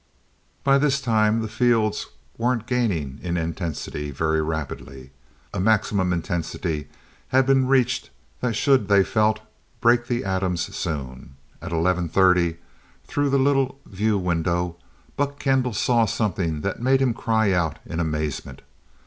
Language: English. By this time the fields weren't gaining in intensity very rapidly, a maximum intensity had been reached that should, they felt, break the atoms soon. At eleven thirty, through the little view window, Buck Kendall saw something that made him cry out in amazement.